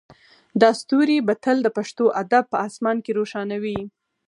دا ستوری به تل د پښتو ادب په اسمان کې روښانه وي